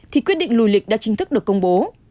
thì quyết định lùi lịch đã chính thức được công bố